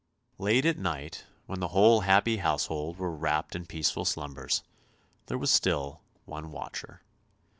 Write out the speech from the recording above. " Late at night, when the whole happy household were wrapped in peaceful slumbers, there was still one watcher.